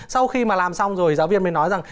sau khi mà làm xong rồi giáo viên mới nói rằng